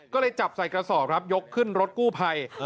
ก็เลยจับใส่กระสอบครับยกขึ้นรถกู้ภัย